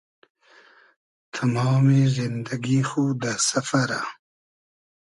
تئمامی زیندئگی خو دۂ سئفئرۂ